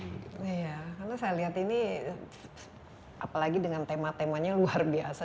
iya karena saya lihat ini apalagi dengan tema temanya luar biasa